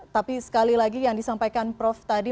tapi sekali lagi yang disampaikan prof tadi